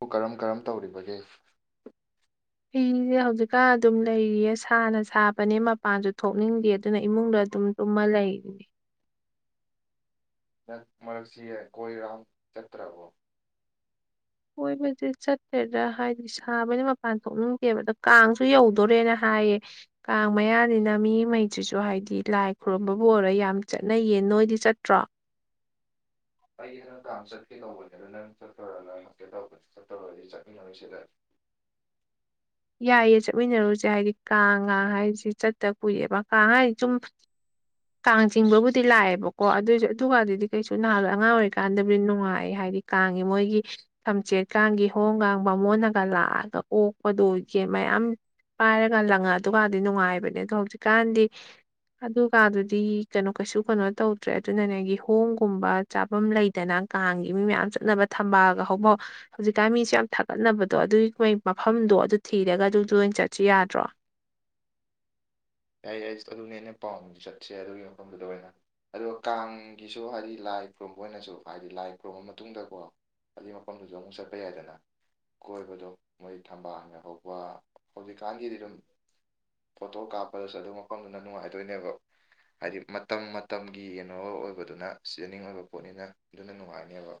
ꯑꯗꯨ ꯀꯔꯝ ꯀꯔꯝ ꯇꯧꯔꯤꯕꯒꯦ ꯐꯁꯦ ꯍꯧꯖꯤꯛꯀꯥꯟ ꯑꯗꯨꯝ ꯂꯩꯔꯤꯌꯦ ꯁꯥꯅ ꯁꯥꯕꯅꯦ ꯃꯄꯥꯟꯁꯨ ꯊꯣꯛꯅꯤꯡꯗꯦ ꯑꯗꯨꯅ ꯏꯃꯨꯡꯗ ꯇꯃ ꯂꯅꯤ ꯅꯛ ꯃꯔꯛꯁꯤꯌꯦ ꯀꯣꯏꯔꯝ ꯆꯠꯇ꯭ꯔꯕꯣ ꯀꯣꯏꯕꯁ ꯆꯠꯇ꯭ꯔꯦꯗ ꯍꯥꯏꯗꯤ ꯁꯥꯕꯅ ꯃꯄꯥꯟ ꯊꯣꯛꯅꯤꯡꯗꯦꯕ ꯑꯗ ꯀꯥꯡꯁꯨ ꯌꯧꯗꯣꯔꯦꯅ ꯍꯥꯏ ꯍꯥꯏꯌꯦ ꯀꯥꯡ ꯃꯌꯥꯅꯤꯅ ꯃꯤꯉꯩꯁꯤꯁꯨ ꯍꯥꯏꯗꯤ ꯂꯥꯏ ꯈꯨꯔꯨꯝꯕꯕꯨ ꯑꯣꯏꯔꯣ ꯌꯥꯝ ꯆꯠꯅ ꯌꯦꯟ ꯅꯣꯏꯗꯤ ꯆꯠꯇ꯭ꯔꯣ ꯑꯩ ꯅꯅꯨꯡꯗꯥꯡ ꯆꯠꯀꯦ ꯇꯧꯕꯅꯦ ꯑꯗ ꯅꯪ ꯆꯠꯊꯔꯨꯔꯒ ꯉꯀꯦ ꯇꯧꯕ ꯆꯠꯇꯊꯔꯨꯔꯗꯤ ꯆꯠꯃꯤꯟꯅꯔ ꯁꯤꯗ [unintelligible] ꯌꯥꯏꯌꯦ ꯆꯠꯃꯤꯟꯅꯔꯨꯁꯦ ꯍꯥꯏꯗꯤ ꯀꯥꯡꯒ ꯍꯥꯏꯁꯦ ꯆꯠꯇ ꯀꯏꯑꯦꯕ ꯀꯥꯡ ꯍꯥꯏꯗꯤ ꯆꯨꯝ ꯀꯥꯡ ꯆꯤꯡꯕꯕꯨꯗꯤ ꯂꯥꯛꯑꯦꯕꯀꯣ ꯑꯗꯨꯏꯁꯨ ꯑꯗꯨꯥꯟꯗꯨꯗꯤ ꯀꯩꯁꯨ ꯅꯍꯥꯟꯋꯥꯣ ꯑꯉꯥꯡ ꯑꯣꯏꯔꯤꯀꯥꯟꯗꯕꯨꯗꯤ ꯅꯨꯡꯉꯥꯏ ꯍꯥꯏ ꯍꯥꯏꯕꯗꯤ ꯀꯥꯡꯉꯤ ꯃꯣꯏꯒꯤ ꯊꯝꯆꯦꯠ ꯀꯥꯡꯒꯤ ꯍꯣꯡ ꯀꯥꯡ ꯃ ꯃꯣꯟꯅꯒ ꯂꯥꯛꯑꯒ ꯑꯣꯛꯄꯗꯣ ꯇꯤꯀꯦꯠ ꯃꯌꯥꯝ ꯄꯥꯏꯔꯒ ꯂꯪꯉꯑ ꯑꯗꯨꯒꯒꯗꯤ ꯅꯨꯡꯉꯥꯏꯕꯅꯦ ꯑꯗꯣ ꯍꯧꯖꯤꯛꯀꯥꯟꯗꯤ ꯑꯗꯨꯒ ꯑꯗꯨꯗꯤ ꯀꯩꯅꯣ ꯀꯩꯁꯨ ꯀꯩꯅꯣ ꯇꯧꯗ꯭ꯔꯦ ꯑꯗꯨꯅꯅꯦꯒꯤ ꯍꯣꯡꯒꯨꯝꯕ ꯆꯥꯐꯝ ꯂꯩꯗꯅ ꯀꯥꯡꯒꯤ ꯃꯤ ꯃꯌꯥꯝ ꯆꯠꯅꯕ ꯊꯝꯕꯥꯒ ꯍꯐꯥꯎ ꯍꯧꯖꯤꯛꯀꯥꯟ ꯃꯤꯁ ꯌꯥꯝ ꯊꯥꯒꯠꯅꯕꯗꯣ ꯑꯗꯨꯒꯤ ꯃꯐꯝꯗꯣ ꯑꯗꯨ ꯊꯤꯔꯒ ꯑꯗꯨꯝꯁꯨ ꯑꯣꯏꯅ ꯆꯠꯁꯨ ꯌꯥꯗ꯭ꯔꯣ ꯌꯥꯏ ꯌꯥꯏ ꯑꯗꯨꯅꯦ ꯑꯩꯅ ꯄꯥꯎ ꯆꯠꯁꯦ ꯑꯗꯨꯒꯤ ꯃꯐꯝꯗꯨꯗ ꯑꯣꯏꯅ ꯑꯗꯨꯒ ꯀꯥꯡꯒꯤꯁꯨ ꯍꯥꯏꯗꯤ ꯂ ꯂꯥꯏ ꯈꯨꯔꯨꯝꯕ ꯑꯣꯏꯅꯁꯨ ꯍꯥꯏꯗꯤ ꯂꯥꯏ ꯈꯨꯔꯨꯝꯃ ꯃꯇꯨꯡꯗꯀꯣ ꯑꯗꯨꯏ ꯃꯐꯝꯗꯨꯁꯨ ꯑꯃꯨꯛ ꯆꯠꯄ ꯌꯥꯏꯗꯅ ꯀꯣꯏꯕꯗꯣ ꯃꯣꯏ ꯊꯝꯕꯥꯜꯒꯦ ꯍꯧꯕ ꯍꯧꯖꯤꯛꯀꯥꯟꯒꯤꯗꯤ ꯑꯗꯨꯝ ꯐꯣꯇꯣ ꯀꯥꯞꯄꯗꯁꯨ ꯑꯗꯨꯝ ꯃꯐꯝꯗꯨꯅ ꯅꯨꯡꯉꯥꯏꯗꯣꯏꯅꯦꯕ ꯍꯥꯏꯗꯤ ꯃꯇꯝ ꯃꯇꯝꯒꯤ ꯌꯦꯅꯣ ꯑꯣꯏꯕꯗꯨꯅ ꯁꯤꯖꯅꯤꯡ ꯑꯣꯏꯕ ꯄꯣꯠꯅꯤꯅ ꯑꯗꯨꯅ ꯅꯨꯡꯉꯥꯏꯅꯦꯕ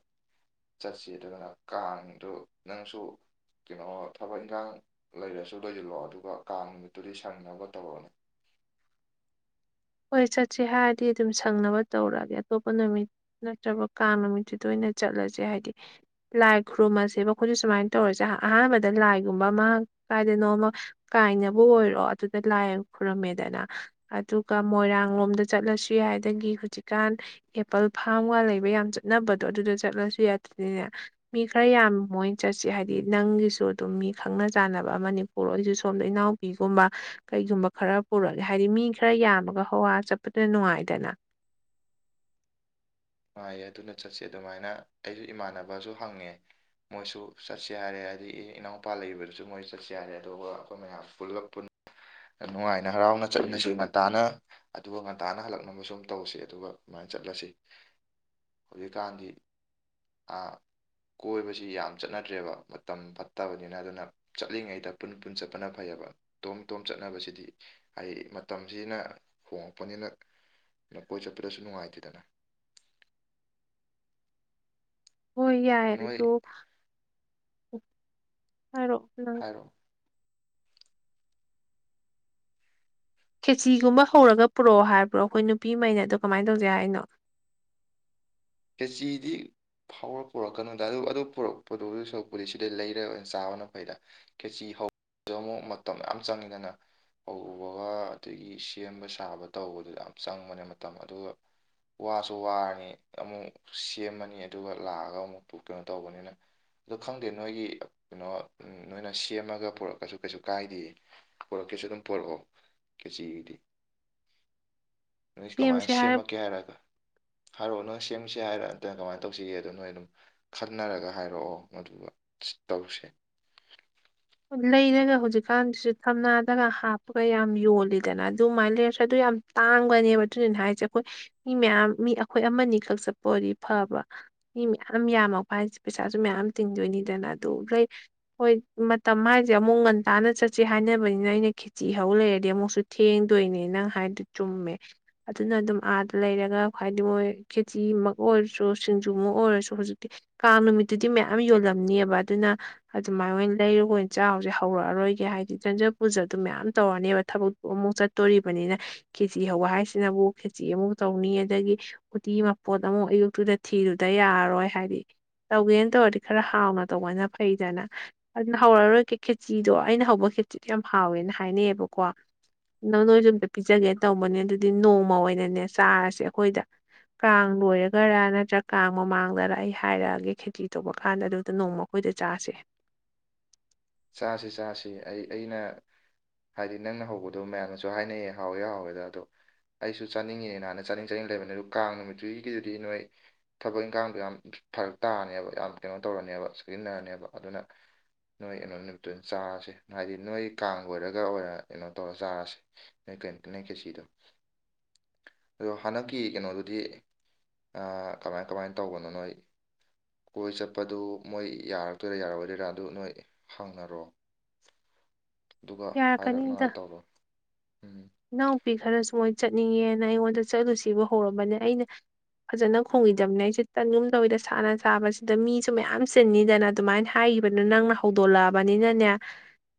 ꯆꯠꯁꯤ ꯑꯗꯨꯅ ꯀꯥꯡꯗꯨ ꯅꯪꯁꯨ ꯀꯩꯅꯣ ꯊꯕꯛ ꯏꯟꯈꯥꯡ ꯂꯩꯔꯁꯨ ꯂꯣꯏꯁꯤꯜꯂꯛꯑꯣ ꯑꯗꯨꯒ ꯀꯥꯡ ꯅꯨꯃꯤꯠꯇꯨꯗꯤ ꯁꯪꯅꯕ ꯇꯧꯔꯅꯤ ꯍꯣꯏ ꯆꯠꯁꯤ ꯍꯥꯏꯔꯗꯤ ꯑꯗꯨꯝ ꯁꯪꯅꯕ ꯇꯧꯔꯛꯑꯒꯦ ꯑꯇꯣꯞꯄ ꯅꯨꯃꯤꯠ ꯅꯠꯇ꯭ꯔꯒ ꯀꯥꯡ ꯅꯨꯃꯤꯠꯇꯁꯤꯨꯗ ꯑꯣꯏꯅ ꯆꯠꯂꯁꯦ ꯍꯥꯏꯗꯤ ꯂꯥꯏ ꯈꯨꯔꯨꯝꯃꯁꯦꯕ ꯑꯩꯈꯣꯏ ꯁꯨꯃꯥꯏꯅ ꯇꯧꯔꯁꯦ ꯑꯍꯥꯟꯕꯗ ꯂꯥꯏꯒꯨꯝꯕ ꯑꯃ ꯀꯥꯏꯗꯅꯣꯃ ꯀꯥꯏꯅꯕ ꯑꯣꯏꯔꯣ ꯑꯗꯨꯗ ꯂꯥꯏ ꯈꯨꯔꯝꯃꯦꯗꯅ ꯑꯗꯨ ꯑꯗꯨꯒ ꯃꯣꯏꯔꯥꯡ ꯂꯣꯝꯗ ꯆꯠꯂꯁꯨ ꯌꯥꯏꯗꯒꯤ ꯍꯧꯖꯤꯛꯀꯥꯟ ꯑꯦꯄꯜ ꯐꯥꯝꯒ ꯂꯩꯕ ꯌꯥꯝꯅ ꯆꯠꯅꯕꯗꯣ ꯑꯗꯨꯗ ꯆꯠꯂꯁꯨ ꯌꯥꯗ꯭ꯔꯅꯤꯅꯦ ꯃꯤ ꯈꯔ ꯌꯥꯝ ꯃꯣꯏꯅ ꯆꯠꯁꯤ ꯍꯥꯏꯗꯤ ꯅꯪꯒꯤꯁꯨ ꯑꯗꯨꯝ ꯃꯤ ꯈꯪꯅ ꯆꯥꯟꯅꯕ ꯑꯃꯅꯤ ꯄꯨꯔꯛꯑꯣꯏꯁꯨ ꯁꯣꯝꯗ ꯏꯅꯥꯎꯄꯤꯒꯨꯝꯕ ꯀꯩꯒꯨꯝꯕ ꯈꯔ ꯄꯨꯔꯛꯑꯒꯦ ꯍꯥꯏꯗꯤ ꯃꯤ ꯈꯔ ꯈꯔ ꯌꯥꯝꯃꯒ ꯍꯋꯥ ꯆꯠꯄꯗ ꯅꯨꯡꯉꯥꯏꯗꯅ ꯅꯨꯡꯉꯥꯏꯌꯦ ꯑꯗꯨꯅ ꯆꯠꯁ ꯑꯗꯨꯃꯥꯏꯅ ꯑꯩꯁꯨ ꯏꯃꯥꯟꯅꯕꯁꯨ ꯍꯪꯉꯦ ꯃꯣꯏꯁꯨ ꯆꯠꯁꯦ ꯌꯥꯔꯦ ꯍꯥꯏꯗꯤ ꯏꯅꯥꯎꯄꯥ ꯂꯩꯕꯗꯨꯁꯨ ꯃꯣꯏ ꯆꯠꯁꯦ ꯌꯥꯔꯦ ꯑꯗꯨꯒ ꯑꯩꯈꯣꯏ ꯃꯌꯥꯝ ꯄꯨꯂꯞ ꯅꯨꯡꯉꯥꯏꯅ ꯍꯔꯥꯎꯅ ꯆꯠꯃꯤꯁꯤ ꯉꯟꯇꯥꯅ ꯑꯗꯨꯒ ꯉꯟꯇꯥꯅ ꯍꯜꯂꯛꯅꯕ ꯁꯨꯝ ꯇꯧꯁꯤ ꯑꯗꯨꯒꯃꯥꯏꯅ ꯆꯠꯂꯁꯤ ꯍꯧꯖꯤꯛꯀꯥꯟꯗꯤ ꯀꯣꯏꯕꯁꯤ ꯌꯥꯝ ꯆꯠꯅꯗ꯭ꯔꯦꯕ ꯃꯇꯝ ꯐꯠꯇꯕꯅꯤꯅ ꯑꯗꯨꯅ ꯆꯠꯂꯤꯉꯩꯗ ꯄꯨꯟ ꯄꯨꯟ ꯆꯠꯄꯅ ꯐꯩꯌꯦꯕ ꯇꯣꯝ ꯇꯣꯝ ꯆꯠꯅꯕꯁꯤꯗꯤ ꯑꯩ ꯃꯇꯝꯁꯤꯅ ꯍꯣꯡꯂꯛꯄꯅꯤꯅ ꯅ ꯀꯣꯏ ꯆꯠꯄꯗꯁꯨ ꯅꯨꯡꯉꯥꯏꯇꯦꯗꯅ ꯍꯣꯏ ꯌꯥꯏ ꯅꯣꯏ ꯇ ꯍꯥꯏꯔꯣ ꯍꯥꯏꯔꯣ ꯈꯦꯆꯤꯒꯨꯝꯕ ꯍꯧꯔꯒ ꯄꯨꯔꯛꯑꯣ ꯍꯥꯏꯕ꯭ꯔꯣ ꯑꯩꯈꯣꯏ ꯅꯨꯄꯤꯉꯩꯅ ꯑꯗꯨꯣ ꯀꯃꯥꯏꯅ ꯇꯧꯁꯦ ꯍꯥꯏꯅꯣ ꯐꯁꯤꯗꯤ ꯐꯥꯎꯔ ꯄꯨꯔꯛꯀꯅꯨꯗ ꯑꯗꯨ ꯑꯗꯨꯔꯛꯄ ꯁꯔꯛꯄꯨꯗꯤ ꯁꯤꯗꯩ ꯂꯩꯔ ꯑꯣꯏꯅ ꯆꯥꯕꯅ ꯐꯩꯗ ꯈꯦꯆꯤ ꯍꯧ ꯑ ꯑꯃꯨꯛ ꯃꯇꯝ ꯌꯥꯝ ꯆꯪꯉꯤꯗꯅ ꯍꯧꯕꯒ ꯑꯗꯒꯤ ꯁꯦꯝꯕ ꯁꯥꯕ ꯇꯧꯕꯗꯨꯗ ꯌꯥꯝ ꯆꯪꯕꯅꯦ ꯃꯇꯝ ꯑꯗꯨꯒ ꯋꯥꯁꯨ ꯋꯥꯔꯅꯤ ꯑꯃꯨꯛ ꯁꯦꯝꯃꯅꯤ ꯑꯗꯨꯒ ꯂꯥꯛꯑꯒ ꯑꯃꯨꯛ ꯀꯩꯅꯣ ꯇꯧꯕꯅꯤꯅ ꯑꯗꯣ ꯈꯪꯗꯦ ꯅꯣꯏꯒꯤ ꯀꯩꯅꯣ ꯅꯣꯏꯅ ꯁꯦꯝꯃꯒ ꯄꯨꯔꯛꯀꯁꯨ ꯀꯩꯁꯨ ꯀꯥꯏꯗꯦꯛ ꯀꯦ ꯑꯗꯨꯝ ꯄꯔꯛꯑꯣ ꯀꯦꯖꯤꯒꯤꯗꯤ ꯅꯣꯏ ꯀꯃꯥꯏꯅ ꯁꯦꯝꯁꯦ ꯍꯥꯏꯔ ꯁꯦꯝꯃꯛꯀꯦ ꯍꯥꯏꯔꯒ ꯍꯥꯏꯔꯛꯑꯣ ꯅꯣꯏ ꯑꯁꯦꯡꯁꯦ ꯍꯥꯏꯔ ꯅꯠꯇꯅ ꯀꯃꯥꯏꯅ ꯇꯧꯁꯤꯒꯦꯗꯣ ꯅꯣꯏ ꯑꯗꯨꯝ ꯈꯟꯅꯔꯒ ꯍꯥꯏꯔꯛꯑꯣ ꯑꯗꯨꯒꯗꯨ ꯇꯧꯁꯤ [unintelligible] ꯂꯩꯔꯒ ꯍꯧꯖꯤꯛꯀꯥꯟꯁꯤꯁꯨ ꯊꯝꯅꯥꯗꯒ ꯍꯥꯞꯄꯒ ꯌꯥꯝ ꯌꯣꯜꯂꯤꯗꯅ ꯑꯗꯨꯃꯥꯏꯅ ꯂꯩꯔꯁꯨ ꯑꯗꯨ ꯌꯥꯝ ꯌꯥꯝ ꯇꯥꯡꯕꯅꯦꯕ ꯑꯗꯨꯅꯤꯅ ꯍꯥꯏꯁꯦ ꯑꯩꯈꯣꯏ ꯃꯤ ꯃꯌꯥꯝ ꯃꯤ ꯑꯩꯈꯣꯏ ꯑꯃꯅꯤ ꯈꯛ ꯆꯠꯄ ꯑꯣꯏꯗꯤ ꯐꯕ ꯃꯤ ꯃꯌꯥꯝ ꯌꯥꯝꯃꯛꯄ ꯍꯥꯏꯁꯦ ꯄꯩꯁꯥꯁꯨ ꯃꯌꯥꯝ ꯇꯤꯡꯗꯣꯏꯅꯤꯗꯅ ꯑꯗꯨꯣꯏ ꯍꯣꯏ ꯇ ꯍꯥꯏꯁꯦ ꯑꯃꯨꯛ ꯉꯟꯇꯥꯅ ꯆꯠꯁꯦ ꯍꯥꯏꯅꯕꯅꯤꯅ ꯑꯩꯅ ꯈꯦꯆꯤ ꯍꯧ ꯂꯩꯔꯗꯤ ꯑꯃꯨꯛꯁꯨ ꯊꯦꯡꯗꯣꯏꯅꯦ ꯅꯪ ꯍꯥꯏ ꯆꯨꯝꯃꯦ ꯑꯗꯨꯅ ꯑꯗꯨꯝ ꯑꯥꯗ ꯂꯩꯔꯒ ꯍꯥꯏ ꯃꯣꯏ ꯈꯦꯇꯤꯃꯛ ꯑꯣꯏꯔꯁꯨ ꯑꯗꯨꯃ ꯑꯣꯏꯔꯁꯨ ꯍꯧꯖꯤꯛꯇꯤ ꯀꯥꯡ ꯅꯨꯃꯤꯠꯇꯨꯗꯤ ꯃꯌꯥꯝ ꯌꯣꯜꯂꯝꯅꯤꯑꯕ ꯑꯗꯨꯅ ꯑꯗꯨꯃꯥꯏ ꯂꯩꯔꯨ ꯑꯩꯣꯏ ꯆꯥꯎꯁꯦ ꯍꯧꯔꯛꯑꯔꯣꯏꯒꯦ ꯍꯥꯏꯗꯤ ꯆꯟꯖ ꯄꯨꯖꯗꯨ ꯃꯌꯥꯝ ꯇꯧꯔꯅꯦꯕ ꯊꯕꯛꯇꯨ ꯑꯃꯨꯛ ꯆꯠꯇꯣꯔꯤꯕꯅꯤꯅ ꯈꯦꯆꯤ ꯍꯧꯕ ꯍꯥꯏꯁꯤꯅꯕꯨ ꯈꯦꯆꯤ ꯑꯃꯨꯛ ꯇꯧꯅꯤ ꯑꯗꯒꯤ ꯎꯇꯤ ꯃꯄꯣꯠ ꯑꯃꯨꯛ ꯑꯌꯨꯛꯇꯨꯗ ꯊꯤꯔ ꯑꯗꯨꯗ ꯌꯥꯔꯔꯣꯏ ꯍꯥꯏꯗꯤ ꯇꯧꯒꯦꯅ ꯇꯧꯔꯗꯤ ꯈꯔ ꯍꯥꯎꯅ ꯇꯧꯕꯅ ꯐꯩꯗꯅ ꯑꯩꯅ ꯍꯧꯔꯔꯣꯏ ꯀ ꯈꯦꯆꯤꯗꯣ ꯑꯩꯅ ꯍꯧꯕ ꯈꯦꯆꯤꯗꯣ ꯌꯥꯝ ꯍꯥꯎꯋꯦꯅ ꯍꯥꯏꯅꯩꯌꯦꯕꯀꯣ ꯅꯪ ꯅꯣꯏꯗ ꯑꯝꯇ ꯄꯤꯖꯒꯦ ꯇꯧꯕꯅꯦ ꯑꯗꯨꯗꯤ ꯅꯣꯡꯃ ꯑꯣꯏꯅꯅꯦ ꯆꯥꯔꯁꯦ ꯑꯩꯈꯣꯏꯗ ꯀꯥꯡ ꯂꯣꯏꯔꯒꯔꯥ ꯅꯠꯇ꯭ꯔꯒ ꯀꯥꯡ ꯃꯃꯥꯡꯗꯔ ꯑꯩ ꯍꯥꯏꯔꯛꯑꯒꯦ ꯈꯦꯇꯔꯤ ꯇꯧꯕ ꯀꯥꯟꯗ ꯑꯗꯨꯗ ꯅꯣꯡꯃꯣꯏ ꯆꯥꯁꯦ [inaudible] ꯆꯥꯁꯤ ꯆꯥꯁꯤ ꯑꯩ ꯑꯩꯅ ꯍꯥꯏꯗꯤ ꯅꯪꯅ ꯍꯧꯕꯗꯣ ꯃꯌꯥꯝꯅꯁꯨ ꯍꯥꯏꯅꯩꯌꯦ ꯍꯥꯎꯋꯦ ꯍꯥꯎꯋꯦꯗ ꯑꯗꯣ ꯑꯩꯁꯨ ꯆꯥꯅꯤꯡꯉꯤꯅꯦꯅꯍꯥꯟꯅ ꯆꯥꯅꯤꯡ ꯆꯥꯅꯤꯡ ꯂꯩꯕꯅꯤ ꯑꯗꯨ ꯀꯥꯡ ꯅꯨꯃꯤꯠꯇꯨꯒꯤꯗꯨꯗꯤ ꯅꯣꯏ ꯊꯕꯛ ꯏꯟꯈꯥꯡꯗꯣ ꯌꯥꯝ ꯐꯔꯛ ꯇꯥꯔꯅꯦꯕ ꯌꯥꯝ ꯀꯩꯅꯣ ꯇꯧꯔꯅꯦꯕ ꯁꯤꯖꯤꯟꯅꯔꯅꯦꯕ ꯑꯗꯨꯅ ꯅꯣꯏ ꯑꯦꯩꯅꯣꯝ ꯅꯨꯃꯤꯠꯇꯨ ꯑꯣꯏꯅ ꯆꯥꯔꯁꯦ ꯍꯥꯏꯗꯤ ꯅꯣꯏ ꯀꯥꯡꯒꯣꯏꯔꯒ ꯑꯣꯏꯔ ꯀꯩꯅꯣ ꯇꯧꯔ ꯆꯥꯔꯁꯤꯦ ꯅꯣꯏ ꯀꯩꯅꯣ ꯅꯦ ꯀꯦꯁꯤꯗ ꯑꯗꯣ ꯍꯟꯗꯛꯀꯤ ꯀꯩꯅꯣꯗꯨꯗꯤ ꯀꯃꯥꯏ ꯀꯃꯥꯏꯅ ꯇꯧꯕꯅꯣ ꯅꯣꯏ ꯀꯣꯏ ꯆꯠꯄꯗꯨ ꯃꯣꯏ ꯌꯥꯔꯛꯇꯣꯏꯔꯥ ꯌꯥꯔꯔꯣꯏꯗꯣꯏꯔꯥ ꯑꯗꯨ ꯅꯣꯏ ꯍꯪꯅꯔꯣ ꯑꯗꯨꯒ ꯍꯥꯏꯔꯛꯅꯉꯥꯏ ꯇꯧꯔꯣ ꯎꯝ ꯏꯅꯥꯎꯨꯄꯤ ꯈꯔꯁꯨ ꯃꯣꯏ ꯆꯠꯅꯤꯡꯉꯦꯅ ꯑꯩꯉꯣꯟꯗ ꯆꯠꯂꯨꯁꯤꯕ ꯍꯧꯔꯝꯕꯅꯦ ꯑꯩꯅ ꯐꯖꯅ ꯈꯣꯡꯈꯤꯗꯕꯅꯦ ꯑꯩꯁꯨꯦ ꯇꯟꯒꯨꯝꯗꯗ ꯁꯥꯅ ꯁꯥꯕꯁꯤꯗ ꯃꯤꯁꯨ ꯃꯌꯥꯝ ꯆꯤꯟꯅꯤꯗꯅ ꯑꯗꯨꯃꯥꯏꯅ ꯍꯥꯏ ꯍꯕꯅ ꯅꯪꯅ ꯍꯧꯗꯣꯂꯛꯑꯕꯅꯤꯅꯅꯦ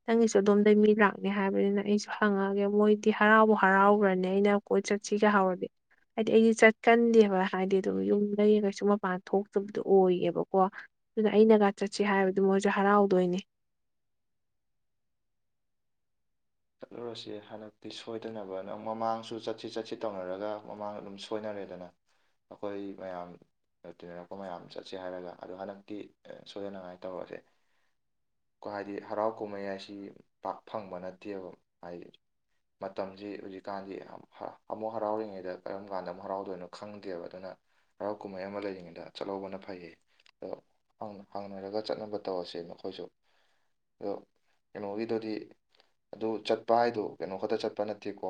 ꯅꯪꯒꯤꯁꯨ ꯑꯗꯣꯝꯗꯒꯤ ꯃꯤ ꯂꯥꯛꯅꯤ ꯍꯥꯏꯕꯅꯤꯅ ꯑꯩꯁꯨ ꯍꯪꯉꯛꯑꯒꯦ ꯃꯣꯏ ꯗꯤ ꯍꯔꯥꯎꯕ ꯍꯔꯥꯎꯈ꯭ꯔꯅꯤ ꯑꯩꯅ ꯀꯣꯏ ꯆꯠꯁꯤꯒꯦ ꯍꯥꯎꯔꯗꯤ ꯍꯥꯏꯗꯤ ꯑꯩꯗꯤ ꯆꯠꯀꯟꯗꯦꯕ ꯍꯥꯏꯗꯤ ꯑꯗꯨꯝ ꯌꯨꯝꯗ ꯀꯩꯁꯨ ꯃꯄꯥꯟ ꯊꯣꯛꯇꯕꯗꯣ ꯑꯣꯏꯌꯦꯕꯀꯣ ꯑꯗꯨꯅ ꯑꯩꯅꯒ ꯆꯠꯁꯤ ꯍꯥꯏꯕꯗꯨ ꯃꯣꯏꯁꯨ ꯍꯔꯥꯎꯗꯣꯏꯅꯦ [inaudible] ꯆꯠꯂꯨꯔꯁꯤꯦ ꯍꯟꯗꯛꯇꯤ ꯁꯣꯏꯗꯅꯕ ꯅꯪ ꯃꯃꯥꯡꯁꯨ ꯆꯠꯁꯤ ꯆꯠꯁꯤ ꯇꯧꯅꯔꯒ ꯃꯃꯥꯡ ꯑꯗꯨꯝ ꯁꯣꯏꯅ ꯗꯅ ꯑꯩꯈꯣꯏ ꯃꯌꯥꯝ ꯇꯤꯟꯅꯔꯛꯄ ꯃꯌꯥꯝ ꯆꯠꯁꯦ ꯍꯥꯏꯔꯒ ꯑꯗꯣ ꯍꯟꯗꯛꯇꯤ ꯁꯣꯏꯗꯅꯉꯥꯏ ꯇꯧꯔꯁꯦ ꯀꯣ ꯍꯥꯏꯗꯤ ꯍꯔꯥꯎ ꯀꯨꯝꯍꯩ ꯍꯥꯏꯁꯤ ꯄꯥꯛ ꯐꯪꯕ ꯅꯠꯇꯦꯕ ꯍꯥꯏ ꯃꯇꯝꯁꯤ ꯍꯧꯖꯤꯛꯀꯥꯟꯗꯤ ꯑꯃꯨꯛ ꯍꯔꯥꯎꯔꯤꯉꯩꯗ ꯀꯔꯝ ꯀꯥꯟꯗ ꯑꯃꯨꯛ ꯍꯔꯥꯎꯗꯣꯏꯅꯣ ꯈꯪꯗꯦꯕ ꯑꯗꯨꯅ ꯍꯔꯥꯎ ꯀꯨꯝꯍꯩ ꯑꯃ ꯂꯩꯔꯤꯉꯩꯗ ꯆꯠꯍꯧꯕꯅ ꯐꯩꯌꯦ ꯍꯥꯡꯅꯔꯒ ꯆꯠꯅꯕ ꯇꯧꯔꯁꯦ ꯅꯈꯣꯏꯁꯨ ꯑꯗꯣ ꯀꯩꯅꯣꯒꯤꯗꯨꯗꯤ ꯑꯗꯨ ꯆꯠꯄ ꯍꯥꯏꯗꯣ ꯀꯩꯅꯣ ꯈꯛꯇ ꯆꯠꯄ ꯅꯠꯇꯦꯀꯣ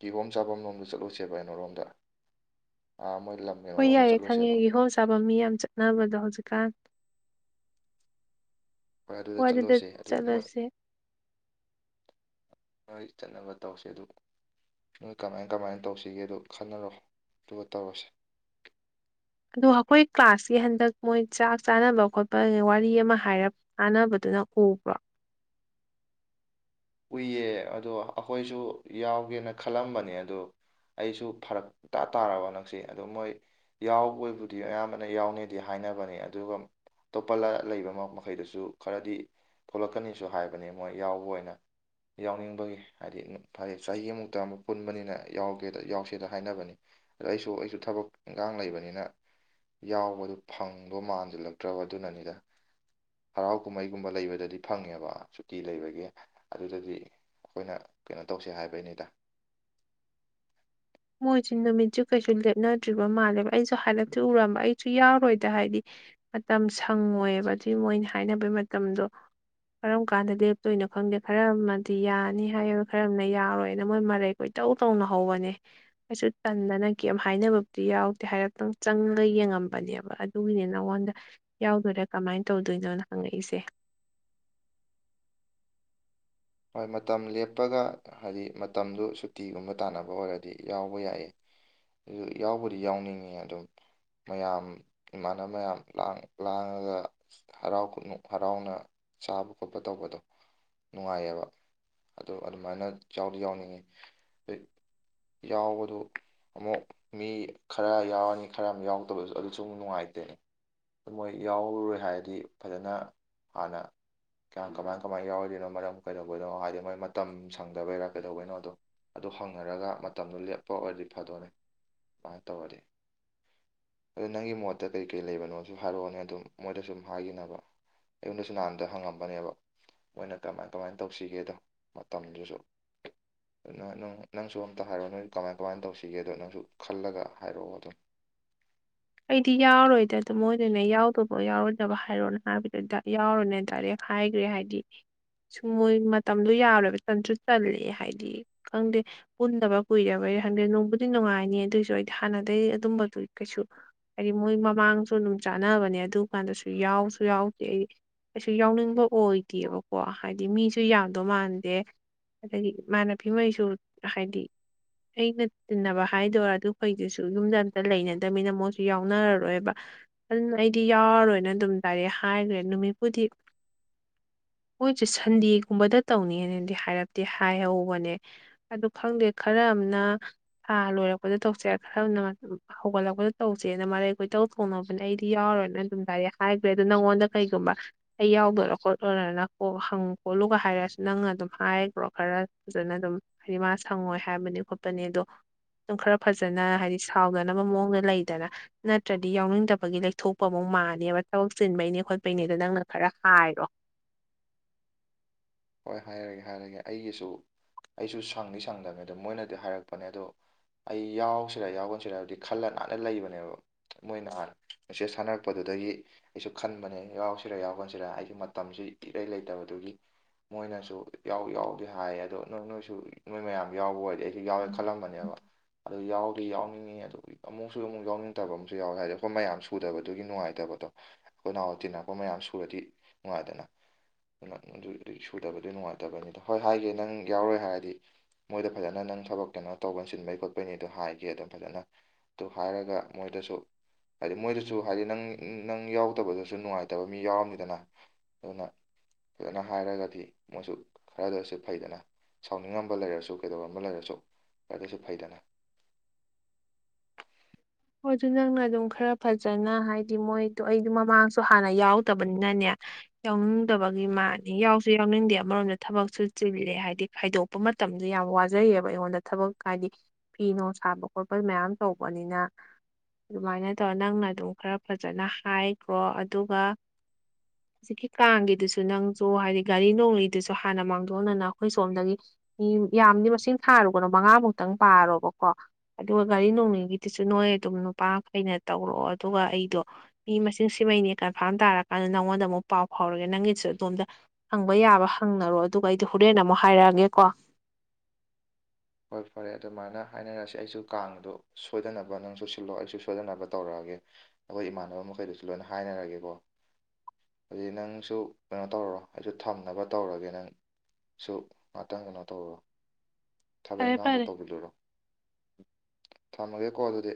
ꯀꯤꯒꯣꯝ ꯆꯥꯐꯝ ꯂꯣꯝꯗ ꯆꯠꯂꯨꯁꯦꯕ ꯑꯩꯩꯅꯔꯣꯝꯗ ꯃꯣꯏ ꯂꯝ ꯍꯣꯏ ꯀꯩꯅꯣꯔꯣꯝꯗ ꯌꯥꯏꯦ ꯈꯪꯉꯦ ꯆꯠꯂꯨꯁꯦꯕ ꯏꯍꯣꯝ ꯆꯥꯕ ꯃꯤ ꯌꯥꯝ ꯆꯠꯅꯕꯗꯣ ꯍꯧꯖꯤꯛꯀꯥꯟ ꯍꯣꯏ ꯑꯗꯨꯗ ꯋꯥꯗꯤꯗ ꯆꯠꯂꯨꯁꯦ ꯑꯗꯨ ꯃꯣꯏ ꯆꯂꯁꯦ ꯃꯣꯏ ꯆꯠꯅꯕ ꯇꯧꯁꯦ ꯑꯗꯨ ꯅꯣꯏ ꯀꯃꯥꯏ ꯀꯃꯥꯏꯅ ꯇꯧꯁꯤꯒꯦ ꯑꯗꯨ ꯈꯟꯅꯔꯣ ꯑꯗꯨꯒ ꯇꯧꯔꯁꯦ ꯑꯗ ꯑꯩꯈꯣꯏ ꯀ꯭ꯂꯥꯁꯀꯤ ꯍꯟꯗꯛ ꯃꯣꯏ ꯆꯥꯛ ꯆꯥꯅꯕ ꯈꯣꯠꯄ ꯋꯥꯔꯤ ꯑꯃ ꯍꯥꯏꯔꯞ ꯇꯥꯟꯅꯕꯗ ꯑꯗꯨ ꯀꯕꯔ [inaudible] ꯎꯏꯌꯦ ꯑꯗꯣ ꯑꯩꯈꯣꯏꯁꯨ ꯌꯥꯎꯒꯦꯅ ꯈꯜꯂꯝꯕꯅꯦ ꯑꯗꯣ ꯑꯩꯁꯨ ꯐꯔꯛ ꯇꯥ ꯇꯥꯔꯕ ꯅꯪꯁꯤ ꯑꯗꯨ ꯃꯣꯏ ꯌꯥꯎꯕꯣꯏꯕꯨꯗꯤ ꯑꯌꯥꯝꯕꯅ ꯌꯥꯎꯅꯤꯗꯤ ꯍꯥꯏꯅ ꯍꯥꯏꯅꯕꯅꯤ ꯑꯗꯨꯒ ꯑꯇꯣꯞꯄ ꯂꯩꯕ ꯃꯈꯩꯗꯁꯨ ꯈꯔꯗꯤ ꯊꯣꯛꯂꯛꯀꯅꯤꯁꯨ ꯍꯥꯏꯕꯅꯦ ꯃꯣꯏ ꯌꯥꯎꯕ ꯑꯣꯏꯅ ꯌꯥꯎꯅꯤꯡꯕꯒꯤ ꯍꯥꯏꯗꯤ ꯐꯔꯦ ꯆꯍꯤꯃꯨꯛꯇ ꯑꯃꯨꯛ ꯄꯨꯟꯕꯅꯤꯅ ꯌꯥꯎꯒꯦꯗ ꯌꯥꯎꯁꯦꯗ ꯍꯥꯏꯅꯕꯅꯤ ꯑꯗ ꯑꯩꯁꯨ ꯑꯩꯁꯨ ꯊꯕꯛ ꯏꯪꯈꯥꯡ ꯂꯩꯕꯅꯤꯅ ꯌꯥꯎꯕꯗꯨ ꯐꯪꯗꯣ ꯃꯥꯟꯁꯤꯜꯂꯛꯇ꯭ꯔꯕ ꯑꯗꯨꯅꯅꯤꯗ ꯍꯔꯥꯎ ꯀꯨꯝꯍꯩꯒꯨꯝꯕ ꯂꯩꯕꯗꯗꯤ ꯐꯪꯉꯦꯕ ꯁꯨꯇꯤ ꯂꯩꯕꯒꯤ ꯑꯗꯨꯗꯗꯤ ꯑꯩꯈꯣꯏꯅ ꯀꯩꯅꯣ ꯇꯧꯁꯦ ꯍꯥꯏꯕꯩꯅꯤꯗ ꯃꯣꯏꯁꯦ ꯅꯨꯃꯤꯠꯁꯨ ꯀꯩꯁꯨ ꯂꯦꯞꯅꯗ꯭ꯔꯤꯕ ꯃꯥꯜꯂꯦꯕ ꯑꯩꯁꯨ ꯍꯥꯏꯗꯞꯁꯨ ꯎꯔꯝꯕ ꯑꯩꯁꯨ ꯌꯥꯎꯔꯣꯏꯗ ꯍꯥꯏꯗꯤ ꯃꯇꯝ ꯁꯪꯉꯣꯏꯕ ꯑꯗꯨꯒꯤ ꯃꯣꯏꯅ ꯍꯥꯏꯅꯕꯩ ꯃꯇꯝꯗꯣ ꯀꯔꯝ ꯀꯥꯟꯗ ꯂꯦꯞꯇꯣꯏꯅꯣ ꯈꯪꯗꯦ ꯈꯔ ꯑꯃꯗꯤ ꯌꯥꯅꯤ ꯍꯥꯏꯣ ꯈꯔꯝꯅ ꯌꯥꯔꯣꯏꯅ ꯃꯣꯏ ꯃꯔꯩ ꯀꯣꯏ ꯏꯇꯧ ꯇꯧꯅ ꯍꯧꯕꯅꯦ ꯀꯁꯨ ꯇꯟꯗꯅ ꯀ ꯍꯥꯏꯅꯕꯕꯨꯗꯤ ꯌꯥꯎꯗꯦ ꯍꯥꯏꯔꯠꯇꯪ ꯆꯪꯒ ꯌꯦꯡꯉꯝꯕꯅꯦꯕ ꯑꯗꯨꯒꯤꯅꯦ ꯅꯉꯣꯟꯗ ꯌꯥꯎꯗꯣꯏꯔꯥ ꯀꯃꯥꯏꯅ ꯇꯧꯗꯣꯏꯅꯣꯅ ꯍꯪꯉꯛꯏꯁꯦ [inaudible] ꯍꯣꯏ ꯃꯇꯝ ꯂꯦꯞꯄꯒ ꯍꯥꯏꯗꯤ ꯃꯇꯝꯗꯨ ꯁꯨꯇꯤꯒꯨꯝꯕ ꯇꯥꯟꯅꯕ ꯑꯣꯏꯔꯗꯤ ꯌꯥꯎꯕ ꯌꯥꯏ ꯑꯗꯨ ꯌꯥꯎꯕꯗꯤ ꯌꯥꯎꯅꯤꯡꯉꯤ ꯑꯗꯨꯝ ꯃꯌꯥꯝ ꯏꯃꯥꯟꯅꯕ ꯃꯌꯥꯝ ꯂꯥꯡꯉꯒ ꯍꯔꯥꯎ ꯀꯃ ꯍꯔꯥꯎꯅ ꯆꯥꯕ ꯈꯣꯠꯄ ꯇꯧꯕꯗꯣ ꯅꯨꯡꯉꯥꯏꯌꯦꯕ ꯑꯣ ꯑꯗꯨꯃꯥꯏꯅ ꯌꯥꯗꯤ ꯌꯥꯎꯅꯤꯡꯉꯤ ꯑ ꯌꯥꯎꯕꯗꯨ ꯑꯃꯨꯛ ꯃꯤ ꯈꯔ ꯌꯥꯎꯔꯅꯤ ꯈꯔ ꯑꯃ ꯌꯥꯎꯗꯕꯁꯨ ꯑꯗꯨꯁꯨ ꯑꯃꯨ ꯅꯨꯡꯉꯥꯏꯇꯦꯅꯦ ꯃꯣꯏ ꯌꯥꯎꯔꯔꯣꯏ ꯍꯥꯏꯔꯗꯤ ꯐꯖꯅ ꯍꯥꯟꯅ ꯀꯌꯥꯝ ꯀꯃꯥꯏ ꯀꯃꯥꯏꯅ ꯌꯥꯎꯔꯤꯅꯣ ꯃꯔꯝ ꯀꯩꯗꯧꯕꯅꯣ ꯍꯥꯏꯗꯤ ꯃꯣꯏ ꯃꯇꯝ ꯁꯪꯗꯕꯩꯔꯥ ꯀꯩꯗꯧꯕꯩꯅꯣꯗꯣ ꯑꯗꯨ ꯍꯪꯅꯔꯒ ꯃꯇꯝꯗꯨ ꯂꯦꯞꯄ ꯑꯣꯏꯔꯗꯤ ꯐꯗꯣꯅꯦ ꯑꯗꯨꯃꯥꯏꯅ ꯇꯧꯔꯗꯤ ꯑꯗꯨ ꯅꯪꯒꯤ ꯃꯣꯠꯇ ꯀꯩ ꯀꯩ ꯂꯩꯕꯅꯣꯁꯨ ꯍꯥꯏꯔꯛꯑꯣꯅꯦ ꯑꯗꯨꯝ ꯃꯣꯏꯗ ꯁꯨꯝ ꯍꯥꯏꯈꯤꯅꯕ ꯑꯩꯉꯣꯟꯗꯁꯨ ꯅꯍꯥꯟꯗ ꯍꯪꯉꯝꯕꯅꯦꯕ ꯃꯣꯏꯅ ꯀꯃꯥꯏꯅ ꯀꯃꯥꯏꯅ ꯇꯧꯁꯤꯒꯦꯗ ꯃꯇꯝꯗꯨꯁꯨ ꯑꯗꯨꯅ ꯅꯪꯁꯨ ꯑꯝꯇ ꯍꯥꯏꯔꯛꯑꯣ ꯅꯣꯏ ꯀꯃꯥꯏ ꯀꯃꯥꯏꯅ ꯇꯧꯁꯤꯒꯦꯗꯣ ꯅꯪꯁꯨ ꯈꯜꯂꯒ ꯍꯥꯏꯔꯛꯑꯣ ꯑꯗꯨꯝ [inaudible] ꯑꯩꯗꯤ ꯌꯥꯎꯔꯣꯏꯗ ꯑꯗꯨ ꯃꯣꯏꯗꯨꯅꯦ ꯌꯥꯎꯗꯕ ꯌꯥꯎꯔꯣꯏꯗꯕ ꯍꯥꯏꯔꯣꯅ ꯍꯥꯏꯕꯗꯨ ꯌꯥꯎꯔꯨꯅꯦ ꯗꯥꯏꯔꯦꯛ ꯍꯥꯏꯈ꯭ꯔꯦ ꯍꯥꯏꯗꯤ ꯁꯨꯝ ꯃꯣꯏ ꯃꯇꯝꯗꯣ ꯌꯥꯔꯕ ꯆꯟꯁꯨ ꯆꯜꯂꯦ ꯍꯥꯏꯗꯤ ꯈꯪꯗꯦ ꯄꯨꯟꯗꯕ ꯀꯨꯏꯔꯕ ꯍ ꯍꯟꯗ꯭ꯔꯦ ꯅꯣꯡꯕꯨꯗꯤ ꯅꯨꯡꯉꯥꯏꯅꯤ ꯑꯗꯨꯑꯣꯏꯁꯨ ꯑꯩꯗꯤ ꯍꯥꯟꯅꯗꯩ ꯑꯗꯨꯝꯕꯗꯨ ꯀꯩꯁꯨ ꯍꯥꯏꯗꯤ ꯃꯣꯏ ꯃꯃꯥꯡꯁꯨ ꯑꯗꯨꯝ ꯆꯥꯟꯅꯕꯅꯦ ꯑꯗꯨ ꯀꯥꯟꯗꯁꯨ ꯌꯥꯎꯁꯨ ꯌꯥꯎꯗꯦ ꯑꯩꯗꯤ ꯀꯩꯁꯨ ꯌꯥꯎꯅꯤꯡꯕ ꯑꯣꯏꯗꯦꯕꯀꯣ ꯍꯥꯏꯗꯤ ꯃꯤꯁꯨ ꯌꯥꯗꯧ ꯃꯥꯟꯗꯦ ꯑꯗꯒꯤ ꯏꯃꯅꯕꯤꯉꯩꯁꯨ ꯍꯥꯏꯗꯤ ꯑꯩꯅ ꯇꯤꯟꯅꯕ ꯍꯥꯏꯗꯣꯏꯔꯥ ꯑꯗꯨ ꯐꯩꯗꯨꯁꯨ ꯌꯨꯝꯗ ꯑꯝꯇ ꯂꯩꯅꯗꯃꯤꯅ ꯃꯣꯏꯁꯨ ꯌꯥꯎꯅꯔꯔꯣꯏꯕ ꯑꯗꯨ ꯑꯩꯗꯤ ꯌꯥꯎꯔꯔꯣꯏꯅ ꯑꯗꯨꯝ ꯂꯗꯥꯏꯔ ꯍꯥꯏꯈ꯭ꯔꯦ ꯅꯨꯃꯤꯠꯄꯨꯗꯤ [inaudible] ꯃꯣꯏꯁꯦ ꯁꯟꯗꯦꯒꯨꯝꯕꯗ ꯇꯧꯅꯤꯅꯗꯤ ꯍꯥꯏꯔꯞꯇꯗꯤ ꯍꯥꯏꯍꯧꯕꯅꯦ ꯑꯗꯨ ꯈꯪꯗꯦ ꯈꯔ ꯊ ꯂꯣꯏꯔꯛꯄꯗ ꯇꯧꯁꯦ ꯈꯔꯅ ꯍꯧꯒꯠꯂꯛꯄꯗ ꯇꯧꯁꯦꯅ ꯃꯔꯩ ꯑꯩꯈꯣꯏ ꯇꯧ ꯊꯣꯡꯅꯕꯅꯦ ꯑꯩꯗꯤ ꯌꯥꯎꯔꯣꯏꯅ ꯑꯗꯨꯝꯗꯥꯏꯗꯤ ꯍꯥꯏꯈ꯭ꯔꯦ ꯑꯗꯨꯗꯣ ꯅꯉꯣꯟ ꯀꯩꯒꯨꯝꯕ ꯑꯩ ꯌꯥꯎꯗꯣꯏꯔ ꯈꯣꯠꯂꯣꯏꯔꯅ ꯍꯪ ꯈꯣꯠꯂꯨꯒ ꯍꯥꯏꯔꯁꯨ ꯅꯪꯅ ꯑꯗꯨꯝ ꯍꯥꯏꯈ꯭ꯔꯣ ꯈꯔ ꯐꯖꯅ ꯑꯗꯨꯝ ꯍꯥꯏꯗꯤ ꯃꯥ ꯁꯪꯉꯣꯏ ꯍꯥꯏꯕꯅꯤ ꯈꯣꯠꯄꯅꯤ ꯑꯗꯣ ꯑꯗꯨꯝ ꯈꯔ ꯐꯖꯅ ꯍꯥꯏꯗꯤ ꯁꯥꯎꯗꯅꯕ ꯃꯑꯣꯡꯗ ꯂꯩ ꯗꯅ ꯅꯠꯇ꯭ꯔꯗꯤ ꯌꯥꯎꯅꯤꯡꯗꯕꯒꯤ ꯂꯩꯊꯣꯛꯄ ꯑꯃꯨ ꯃꯥꯜꯂꯕ ꯊꯕꯛ ꯆꯤꯟꯕꯩꯅꯦ ꯈꯣꯠꯄꯩꯅꯦꯗ ꯅꯪꯅ ꯈꯔ ꯥꯏꯔꯣ ꯍꯣꯏ ꯍꯥꯏꯔꯒꯦ ꯍꯥꯏꯔꯒꯦ ꯑꯩꯒꯤꯁꯨ ꯑꯩꯁꯨ ꯁꯪꯗꯤ ꯁꯪꯗꯕꯅꯦꯗ ꯃꯣꯏꯅꯗꯤ ꯍꯥꯏꯔꯛꯄꯅꯦ ꯑꯗꯣ ꯑꯩ ꯌꯥꯎꯁꯤꯔꯦ ꯌꯥꯎꯒꯟꯁꯤꯔꯦ ꯍꯥꯏꯕꯗꯤ ꯈꯜꯂ ꯅꯥꯟꯅ ꯂꯩꯕꯅꯦꯕ ꯃꯣꯏꯅꯥꯟ ꯃꯦꯁꯦꯖ ꯁꯥꯟꯅꯔꯛꯄꯗꯨꯗꯒꯤ ꯑꯩꯁꯨ ꯈꯟꯕꯅꯦ ꯌꯥꯎꯁꯤꯔ ꯌꯥꯎ ꯈꯟꯁꯤꯔ ꯑꯩꯁꯦ ꯃꯇꯝꯁꯤ ꯏꯔꯩ ꯂꯩꯇꯕꯗꯨꯒꯤ ꯃꯣꯏꯅꯁꯨ ꯌꯥꯎ ꯌꯥꯎꯗꯦ ꯍꯥꯏꯌꯦ ꯑꯗꯣ ꯅꯣꯏ ꯅꯣꯏꯁꯨ ꯅꯣꯏ ꯃꯌꯥꯝ ꯌꯥꯎꯕ ꯑꯣꯏꯔꯗꯤ ꯑꯩꯁꯨ ꯌꯥꯎꯋꯦ ꯈꯜꯂꯝꯕꯅꯦꯕ ꯑꯗꯨ ꯌꯥꯎꯈꯤ ꯌꯥꯎꯅꯤꯡꯉꯤ ꯑꯗꯨꯒꯤ ꯑꯃꯨꯛꯁꯨ ꯑꯃꯨꯛ ꯌꯥꯎꯅꯤꯡꯗꯕ ꯑꯃꯁꯨ ꯌꯥꯎꯋꯦ ꯍꯥꯏꯗꯤ ꯑꯩꯈꯣꯏ ꯃꯌꯥꯝ ꯁꯨꯗꯕꯗꯨꯒꯤ ꯅꯨꯡꯉꯥꯏꯇꯕ ꯑꯩꯈꯣꯏ ꯅꯍꯥꯟꯋꯥ ꯇꯤꯟꯅꯛꯄ ꯃꯌꯥꯝ ꯁꯨꯔꯗꯤ ꯅꯨꯡꯉꯥꯏꯗꯅ ꯑꯗꯨ ꯑꯗꯨ ꯑꯗꯨꯏ ꯁꯨꯗꯕꯗꯨ ꯅꯨꯡꯉꯥꯏꯇꯕꯅꯤꯗ ꯍꯣꯏ ꯍꯥꯏꯒꯦ ꯅꯪ ꯌꯥꯎꯔꯣꯏ ꯍꯥꯏꯔꯗꯤ ꯃꯣꯏꯗ ꯐꯖꯅ ꯅꯪ ꯊꯕꯛ ꯀꯩꯅꯣ ꯇꯧꯕ ꯁꯤꯤꯟꯕꯩ ꯈꯣꯠꯄꯩꯅꯤ ꯑꯗꯨ ꯍꯥꯏꯒ ꯑꯗꯨꯝ ꯐꯖꯅ ꯇꯨ ꯍꯥꯏꯔꯒ ꯃꯣꯏꯗꯁꯨ ꯍꯥꯏꯗꯤ ꯃꯣꯏꯗꯁꯨ ꯍꯥꯏꯗꯤ ꯅꯪ ꯅꯪ ꯌꯥꯎꯗꯕꯗꯁꯨ ꯅꯨꯡꯉꯥꯏꯇꯕ ꯃꯤ ꯌꯥꯎꯔꯝꯃꯤꯗꯅ ꯑꯗꯨꯅꯅ ꯍꯥꯏꯔꯒꯗꯤ ꯃꯣꯏꯁꯨ ꯈꯔꯗꯁꯨ ꯐꯩꯗꯅ ꯁꯥꯎꯅꯤꯡꯉꯝꯕ ꯂꯩꯔꯁꯨ ꯀꯩꯗꯧꯔꯝꯕ ꯂꯩꯔꯁꯨ ꯌꯥ ꯀꯩꯁꯨ ꯐꯥꯏꯗ ꯅ ꯍꯣꯏ ꯑꯗꯨ ꯅꯪꯅ ꯑꯗꯨꯝ ꯈꯔ ꯐꯖꯅ ꯍꯥꯏꯗꯤ ꯃꯣꯏꯗꯣ ꯑꯩꯗ ꯃꯃꯥꯡꯁꯨ ꯍꯥꯟꯅ ꯌꯥꯎꯗꯕꯅꯤꯅꯅꯦ ꯌꯥꯎꯅꯤꯡꯗꯕꯒꯤ ꯃꯥꯅꯤ ꯌꯥꯎꯁꯨ ꯌꯥꯎꯅꯤꯡꯗꯦ ꯑꯃꯔꯣꯝꯗ ꯊꯕꯛꯁꯨ ꯆꯤꯜꯂꯦ ꯍꯥꯏꯗꯤ ꯈꯥꯏꯗꯣꯛꯄ ꯃꯇꯝꯗ ꯌꯥ ꯌꯥꯝ ꯋꯥꯖꯩꯌꯦꯕ ꯑꯩꯉꯣꯟꯗ ꯊꯕꯛ ꯍꯥꯏꯗꯤ ꯐꯤ ꯅꯨꯡ ꯁꯥꯕ ꯈꯣꯠꯄ ꯃꯌꯥꯝ ꯇꯧꯕꯅꯤꯅ ꯑꯗꯨꯃꯥꯏꯅ ꯇꯧꯔ ꯅꯪꯅ ꯑꯗꯨꯝ ꯈꯔ ꯐꯖꯅ ꯍꯥꯏꯈꯣ ꯑꯗꯨꯒ ꯍꯧꯖꯤꯛꯀꯤ ꯀꯥꯡꯒꯤꯗꯨꯁꯨ ꯅꯪꯁꯨ ꯍꯥꯏꯗꯤ ꯒꯥꯔꯤ ꯅꯣꯂꯤꯩꯗꯨꯁꯨ ꯍꯥꯟꯅ ꯃꯥꯡꯊꯣꯛꯅꯅ ꯑꯩꯈꯣꯏ ꯁꯣꯝꯗꯒꯤ ꯃꯤ ꯌꯥꯝꯗꯤ ꯃꯁꯤꯡ ꯊꯥꯔꯨꯒꯅꯨ ꯃꯉꯥꯃꯨꯛꯇꯪ ꯄꯥꯔꯣꯕꯀꯣ ꯑꯗꯨꯒ ꯒꯥꯔꯤ ꯅꯣꯡꯃꯒꯤꯗꯤ ꯑꯗꯨ ꯅꯣꯏ ꯑꯗꯨꯝ ꯅꯨꯄꯥ ꯃꯈꯩꯅ ꯇꯧꯔꯛꯑꯣ ꯑꯗꯨꯒ ꯑꯩꯗꯣ ꯃꯤ ꯃꯁꯤꯡ ꯁꯤꯃꯩꯅꯦ ꯀꯟꯐꯥꯔꯝ ꯇꯥꯔꯀꯥꯟꯗ ꯅ ꯅꯉꯣꯟꯗ ꯑꯃꯨꯛ ꯄꯥꯎ ꯐꯥꯎꯔꯒꯦ ꯅꯪꯒꯤꯁꯨ ꯑꯗꯣꯝꯗ ꯍꯪꯕ ꯌꯥꯕ ꯍꯪꯅꯔꯣ ꯑꯗꯨꯒ ꯑꯩꯗꯤꯣ ꯍꯣꯔꯦꯟ ꯑꯃꯨꯛ ꯍꯥꯏꯔꯛꯑꯒꯦꯣ ꯋꯥ [unintelligible] ꯍꯣꯏ ꯐꯔꯦ ꯑꯗꯨꯃꯥꯏꯅ ꯍꯥꯏꯅꯔꯁꯤꯦ ꯑꯩꯁꯨ ꯀꯥꯡꯗꯣ ꯁꯣꯏꯗꯅꯕ ꯅꯪ ꯆꯨ ꯁꯤꯜꯂꯣ ꯑꯩꯁꯨ ꯁꯣꯏꯗꯅꯕ ꯇꯧꯔꯛꯒꯦ ꯑꯩꯈꯣꯏ ꯏꯃꯥꯟꯅꯕ ꯃꯈꯩꯗꯨꯁꯨ ꯂꯣꯏꯅ ꯍꯥꯏꯅꯔꯒꯦ ꯀꯣ ꯑꯗꯨꯗꯤ ꯅꯪꯁꯨ ꯀꯩꯅꯣ ꯇꯧꯔꯣ ꯑꯩꯁꯨ ꯊꯝꯅꯕ ꯇꯧꯔꯒꯦ ꯅꯪ ꯁꯨ ꯉꯥꯛꯇꯪ ꯀꯩꯅꯣ ꯇꯧꯕꯣ ꯊꯕꯛ ꯐꯔꯦ ꯐꯔꯦ ꯏꯟꯈꯥꯡꯗꯣ ꯇꯧꯕꯤꯂꯨꯔꯣ ꯊꯃꯒꯦ ꯀꯣ ꯑꯗꯨꯗ